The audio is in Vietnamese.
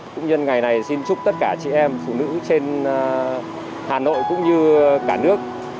cũng nhân ngày này xin chúc tất cả chị em phụ nữ trên hà nội cũng như cả nước